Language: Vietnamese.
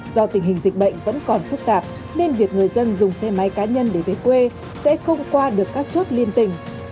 do tình hình dịch bệnh vẫn còn phức tạp nên việc người dân dùng xe máy cá nhân để về quê sẽ không qua được các chốt liên tỉnh